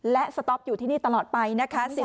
และสต๊อปอยู่ที่นี่ตลอดไปนะคะ